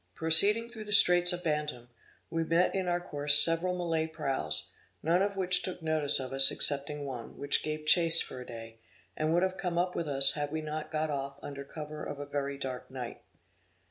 Proceeding through the straits of Bantam, we met in our course several Malay prows, none of which took notice of us excepting one, which gave chase for a day, and would have come up with us had we not got off under cover of a very dark night.